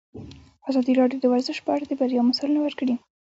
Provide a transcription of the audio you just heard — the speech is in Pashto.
ازادي راډیو د ورزش په اړه د بریاوو مثالونه ورکړي.